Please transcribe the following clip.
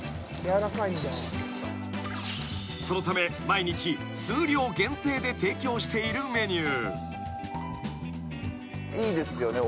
［そのため毎日数量限定で提供しているメニュー］